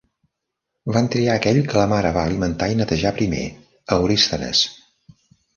Van triar aquell que la mare va alimentar i netejar primer, Eurysthenes.